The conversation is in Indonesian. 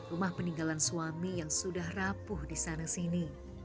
rumah peninggalan suami yang sudah rapuh di sana sini